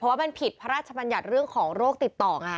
ว่ามันผิดพระราชบัญญัติเรื่องของโรคติดต่อไง